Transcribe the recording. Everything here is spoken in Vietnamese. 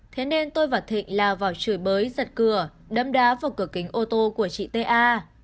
thế nên tôi và thịnh lao vào chửi bới giật cửa đâm đá vào cửa kính ô tô của chị ta